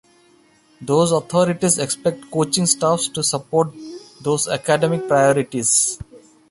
Those authorities expect coaching staffs to support those academic priorities.